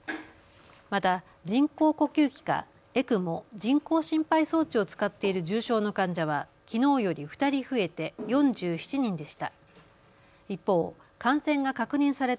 また人工呼吸器かＥＣＭＯ・人工心肺装置を使っている重症の患者はきのうより２人増えて４７人でした。